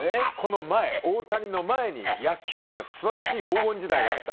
大谷の前に、野球には素晴らしい黄金時代があった。